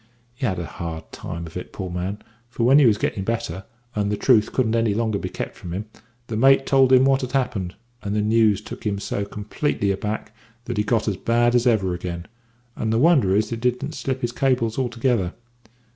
He had a hard time of it, poor man, for when he was getting better, and the truth couldn't any longer be kept from him, the mate told him what had happened, and the news took him so completely aback that he got as bad as ever again, and the wonder is that he didn't slip his cables altogether.